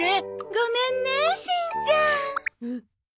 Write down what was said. ごめんねしんちゃん。